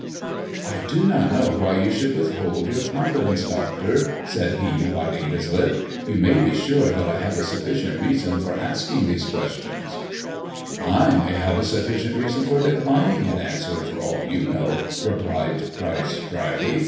^5 " T do not know why you should withhold your confi t[ dence, doctor," said he, biting his lip. "You may be sure that I have a sufficient reason for asking these * questions." >r "I may have a sufficient reason for declining an answer, :cr for all you know," replied Pryce dryly.